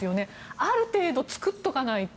ある程度、作っておかないと。